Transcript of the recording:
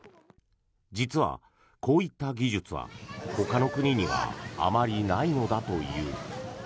実は、こういった技術はほかの国にはあまりないのだという。